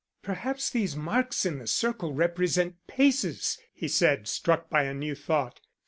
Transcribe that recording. "Perhaps these marks in the circle represent paces," he said, struck by a new thought.